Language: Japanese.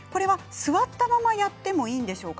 座ったままやってもいいんでしょうか？